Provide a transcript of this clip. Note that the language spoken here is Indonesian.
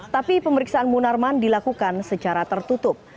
tapi pemeriksaan munarman dilakukan secara tertutup